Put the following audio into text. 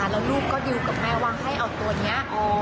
แล้วลูกก็ดิวกับแม่ว่าให้เอาตัวนี้